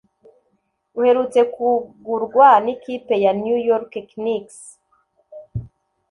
uherutse kugurwa n’ikipe ya New York Knicks